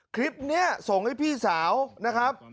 คลิปนี้ส่งให้พี่สาวนะครับ